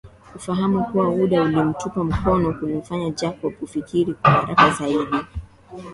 Ufahamu kwa muda ulimtupa mkono kulimfanya Jacob kufikiri kwa haraka zaidi